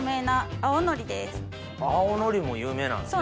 青のりも有名なんですね。